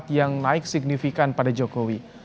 yang naik signifikan pada jokowi